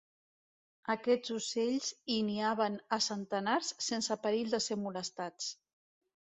Aquests ocells hi niaven a centenars sense perill de ser molestats.